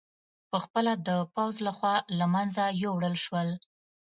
په خپله د پوځ له خوا له منځه یووړل شول